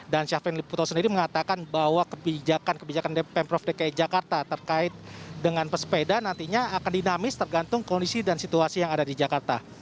dan syafin liputo sendiri mengatakan bahwa kebijakan kebijakan pemprov dki jakarta terkait dengan pesepeda nantinya akan dinamis tergantung kondisi dan situasi yang ada di jakarta